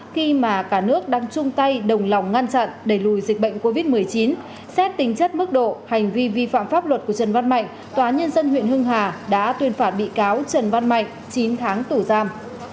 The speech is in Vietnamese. khi mà cả nước đang chung tay đồng lòng ngăn chặn đẩy lùi dịch bệnh covid một mươi chín xét tính chất mức độ hành vi vi phạm pháp luật của trần văn mạnh tòa nhân dân huyện hưng hà đã tuyên phạt bị cáo trần văn mạnh chín tháng tù giam